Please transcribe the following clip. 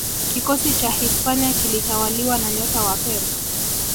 kikosi cha Hispania kilitawaliwa na nyota wa Pep